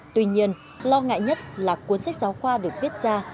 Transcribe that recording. tuy nhiên lo ngại nhất là cuốn sách giáo khoa được viết ra